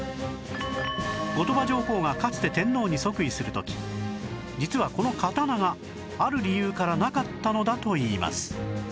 後鳥羽上皇がかつて天皇に即位する時実はこの刀がある理由からなかったのだといいます